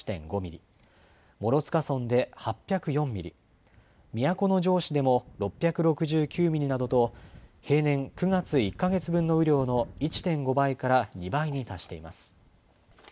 諸塚村で８０４ミリ、都城市でも６６９ミリなどと、平年９月１か月分の雨量の１．５倍から２倍に達しています。